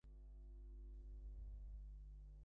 ব্যথার সঙ্গে এর কোন সম্পর্ক আছে কি?